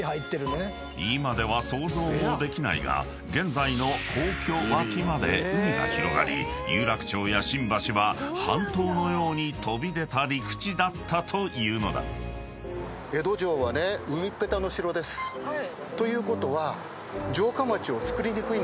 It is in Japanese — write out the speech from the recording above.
［今では想像もできないが現在の皇居脇まで海が広がり有楽町や新橋は半島のように飛び出た陸地だったというのだ］ということは。